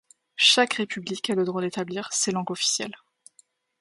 Chaque république a le droit d'établir ses langues officielles.